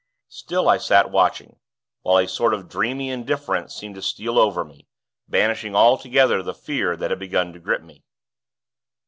Still, I sat watching; while a sort of dreamy indifference seemed to steal over me; banishing altogether the fear that had begun to grip me.